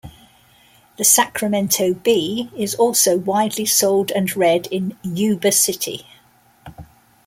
"The Sacramento Bee" is also widely sold and read in Yuba City.